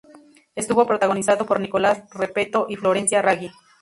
Estuvo protagonizado por Nicolás Repetto y Florencia Raggi.